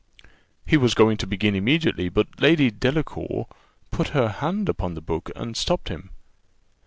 He was going to begin immediately, but Lady Delacour put her hand upon the book, and stopped him.